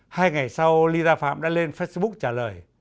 hai ngày sau ly gia phạm đã lên facebook trả lời